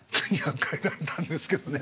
２００回だったんですけどね。